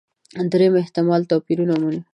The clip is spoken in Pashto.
درېیم احتمال توپيرونه ومنو.